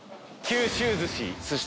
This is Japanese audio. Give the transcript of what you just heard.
九州寿司。